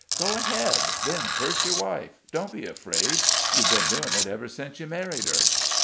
"Go ahead! Then curse your wife don't be afraid; you've been doing it ever since you married her."